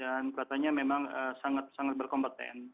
katanya memang sangat sangat berkompeten